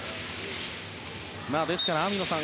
ですから、網野さん